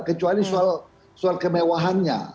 kecuali soal kemewahannya